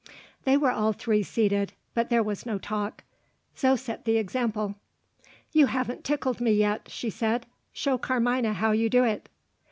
They were all three seated but there was no talk. Zo set the example. "You haven't tickled me yet," she said. "Show Carmina how you do it."